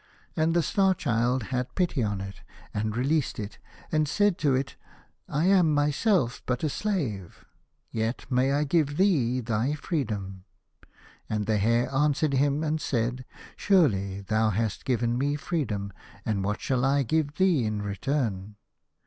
And the Star Child had pity on it, and released it, and said to it, " I am myself but a slave, yet may I give thee thy freedom." And the Hare answered him, and said :" Surely thou hast given me freedom, and what shall I give thee in return